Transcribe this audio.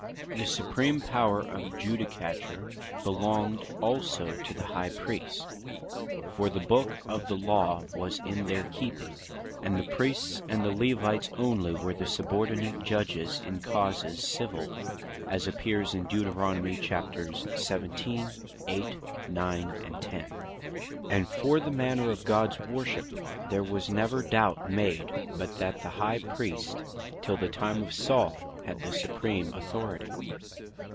The Supreme Power of Judicature belonged also to the High Priest: For the Book of the Law was in their keeping; and the Priests and Levites onely were the subordinate Judges in causes Civill, as appears in Deut. 17.8, 9, 10. And for the manner of Gods worship, there was never doubt made, but that the High Priest till the time of Saul, had the Supreme Authority.